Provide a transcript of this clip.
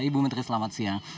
ibu menteri selamat siang